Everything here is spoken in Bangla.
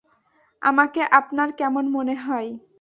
আমাকে আপনার কেমন মনে হয়?